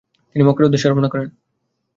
তিনি মক্কার উদ্দেশ্যে রওনা করেন।